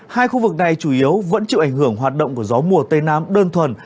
hai khu vực này chủ yếu vẫn chịu ảnh hưởng hoạt động của gió mùa tây nam đơn thuần